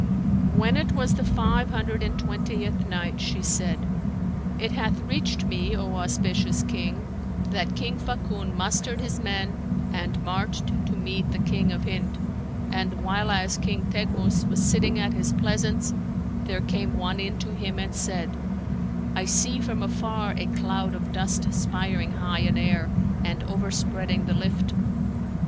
When it was the Five Hundred and Twentieth Night, She said, It hath reached me, O auspicious King, that "King Fakun mustered his men and marched to meet the King of Hind: and whileas King Teghmus was sitting at his pleasance, there came one in to him and said, 'I see from afar a cloud of dust spireing high in air and overspreading the lift.'